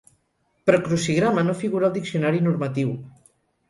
Però crucigrama no figura al diccionari normatiu.